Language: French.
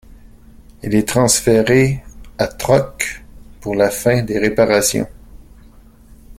Il est transféré à Truk pour la fin des réparations.